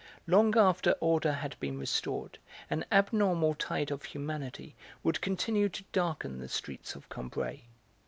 Long after order had been restored, an abnormal tide of humanity would continue to darken the streets of Cormbray.